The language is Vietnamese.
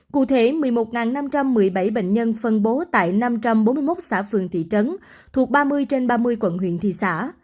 cụ thể một mươi một năm trăm một mươi bảy bệnh nhân phân bố tại năm trăm bốn mươi một xã phường thị trấn thuộc ba mươi trên ba mươi quận huyện thị xã